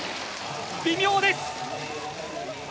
微妙です！